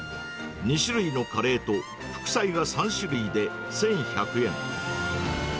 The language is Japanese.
２種類のカレーと副菜が３種類で、１１００円。